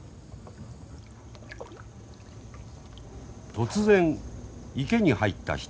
突然池に入った一人の男。